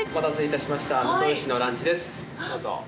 どうぞ。